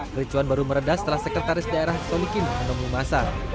kericuan baru meredah setelah sekretaris daerah solikin menemui masa